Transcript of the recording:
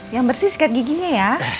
yang bersih sekat giginya ya